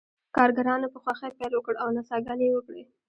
کارګرانو په خوښۍ پیل وکړ او نڅاګانې یې وکړې